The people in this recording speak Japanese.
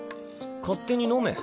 勝手に飲め。